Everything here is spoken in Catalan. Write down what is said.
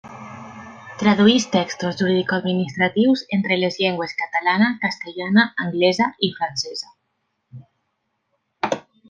Tradueix textos juridicoadministratius entre les llengües catalana, castellana, anglesa i francesa.